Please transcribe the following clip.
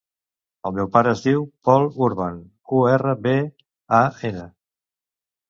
El meu pare es diu Pol Urban: u, erra, be, a, ena.